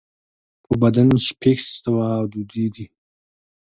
په بدن شپږ سوه غدودي دي.